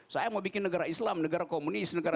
saya mau bikin negara islam negara komunis negara